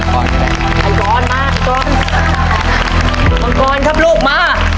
ขอบคุณครับลูกมา